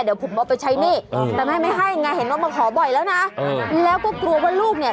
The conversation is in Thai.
เดี๋ยวผมเอาไปใช้หนี้แต่แม่ไม่ให้ไงเห็นว่ามาขอบ่อยแล้วนะแล้วก็กลัวว่าลูกเนี่ย